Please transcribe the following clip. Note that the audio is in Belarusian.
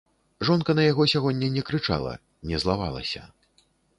Жонка на яго сягоння не крычала, не злавалася.